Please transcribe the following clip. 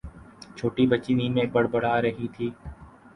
چھوٹی بچی نیند میں بڑبڑا رہی تھی